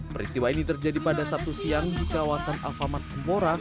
peristiwa ini terjadi pada satu siang di kawasan alfamart sempora